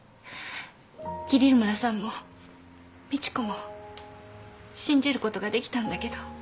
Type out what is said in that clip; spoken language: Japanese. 桐村さんも美知子も信じることができたんだけど。